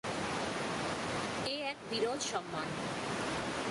এ এক বিরল সম্মান।